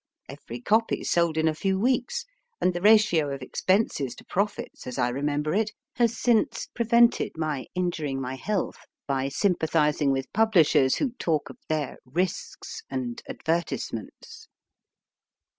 Every copy sold in a few weeks, and the ratio of expenses to profits, as I remember it, has since prevented my injuring my health by sympathising with publishers who talk of their risks and advertisements.